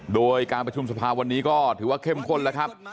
โดยการประชุมสภาวันนี้ก็ถือว่าเข้มข้นแล้วครับ